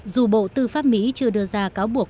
dù bộ tư pháp mỹ chưa đưa ra cáo buộc